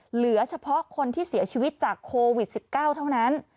เหลือเฉพาะคนที่เสียชีวิตจากโควิด๑๙เท่านั้น